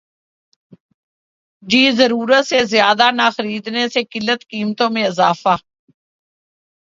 کراچی ضرورت سے زیادہ ٹا خریدنے سے قلت قیمتوں میں اضافہ